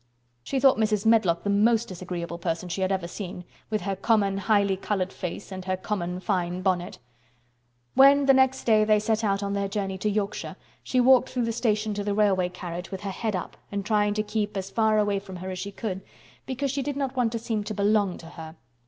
She thought Mrs. Medlock the most disagreeable person she had ever seen, with her common, highly colored face and her common fine bonnet. When the next day they set out on their journey to Yorkshire, she walked through the station to the railway carriage with her head up and trying to keep as far away from her as she could, because she did not want to seem to belong to her.